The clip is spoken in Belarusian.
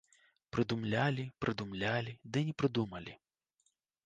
Прыдумлялі, прыдумлялі ды не прыдумалі.